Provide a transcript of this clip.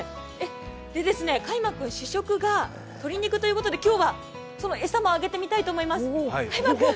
カイマン君、主食が鶏肉ということで今日は、餌もあげてみたいと思います。